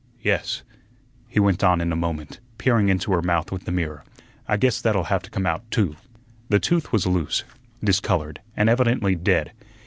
Yes," he went on in a moment, peering into her mouth with the mirror, "I guess that'll have to come out, too." The tooth was loose, discolored, and evidently dead.